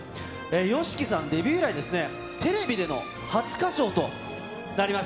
ＹＯＳＨＩＫＩさん、デビュー以来、テレビでの初歌唱となります。